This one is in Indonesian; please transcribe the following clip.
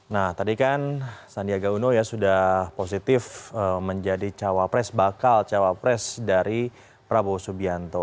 nah tadi kan sandiaga uno ya sudah positif menjadi cawapres bakal cawapres dari prabowo subianto